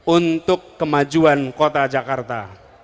untuk kemajuan kota jakarta